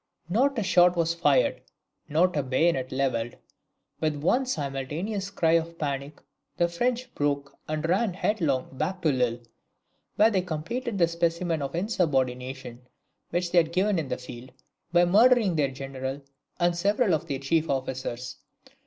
Not a shot was fired, not a bayonet levelled. With one simultaneous cry of panic the French broke and ran headlong back to Lille, where they completed the specimen of insubordination which they had given in the field, by murdering their general and several of their chief officers.